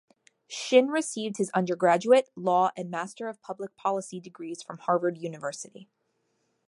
Shin received his undergraduate, law, and Master of Public Policy degrees from Harvard University.